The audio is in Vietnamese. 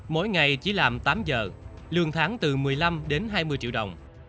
mỗi ngày chỉ làm tám giờ lương tháng từ một mươi năm đến hai mươi triệu đồng